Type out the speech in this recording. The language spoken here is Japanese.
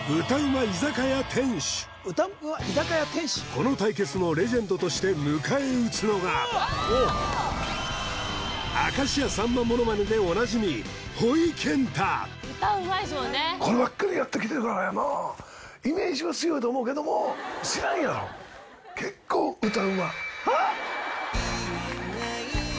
この対決のレジェンドとして迎え撃つのが明石家さんまモノマネでおなじみほいけんたこればっかりやってきてるからやなイメージは強いと思うけども知らんやろ結構歌うま言えないよ